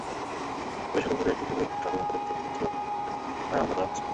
ফরিদপুরের সদরপুরে একটি পারিবারিক কালী মন্দিরের প্রতিমা ভাঙচুরের অভিযোগে সদরপুর থানায় মামলা হয়েছে।